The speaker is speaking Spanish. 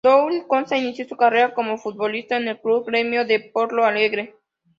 Douglas Costa inició su carrera como futbolista en el club Grêmio de Porto Alegre.